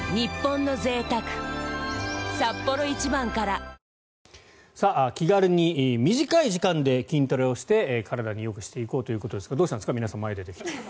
新登場気軽に短い時間で筋トレして体によくしていこうということですがどうしたんですか、皆さん前に出てきて。